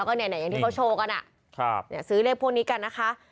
ก็เนี่ยอย่างที่เขาโชว์กันซื้อเลขพวกนี้กันนะคะ